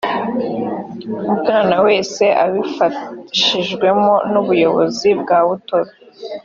umwana wese abifashijwemo n ubuyobozi bwa mutobe